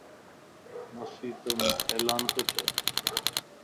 مسيڌم عيلان توچهه